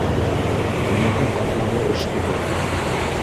Уныһы ҡатмарлы эш түгел